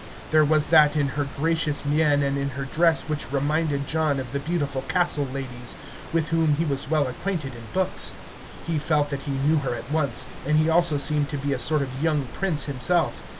There was that in her gracious mien and in her dress which reminded John of the beautiful castle ladies, with whom he was well acquainted in books. He felt that he knew her at once, and he also seemed to be a sort of young prince himself.